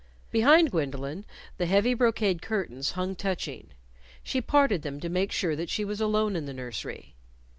Behind Gwendolyn the heavy brocade curtains hung touching. She parted them to make sure that she was alone in the nursery.